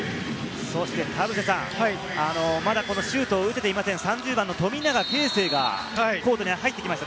田臥さん、まだシュート打てていない３０番の富永啓生が、コートに入ってきました。